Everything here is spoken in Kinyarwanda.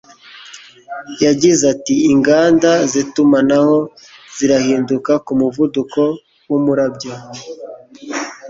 yagize ati: "Inganda z'itumanaho zirahinduka ku muvuduko w'umurabyo"